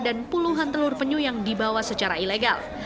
dan puluhan telur penyu yang dibawa secara ilegal